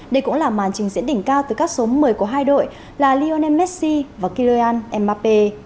đây cũng là màn trình diễn đỉnh cao từ các số một mươi của hai đội là lionel messi và kylian mbappé